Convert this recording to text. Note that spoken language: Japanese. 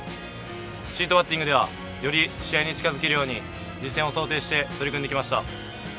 シートバッティングではより試合に近づけるように実戦を想定して取り組んできました。